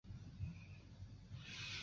男子女子女子